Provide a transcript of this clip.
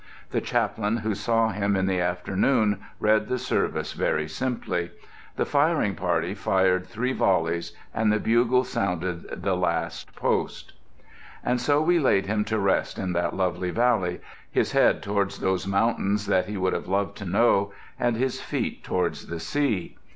The chaplain who saw him in the afternoon read the service very simply. The firing party fired three volleys and the bugles sounded the "Last Post." And so we laid him to rest in that lovely valley, his head towards those mountains that he would have loved to know, and his feet towards the sea.